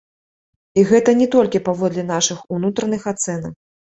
І гэта не толькі паводле нашых унутраных ацэнак.